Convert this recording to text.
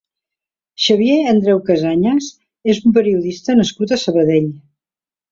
Xavier Andreu Casañas és un periodista nascut a Sabadell.